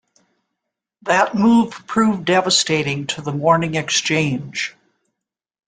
That move proved devastating to "The Morning Exchange".